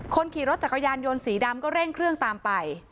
คนขี่รถจักรยานยนต์สีดำก็เร่งเครื่องตามไป